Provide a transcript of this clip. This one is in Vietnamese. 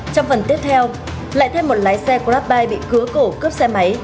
trong phần tiếp theo lại thêm một lái xe grabbike bị cửa cổ cướp xe máy